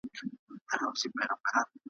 په څارل یې غلیمان په سمه غر کي ,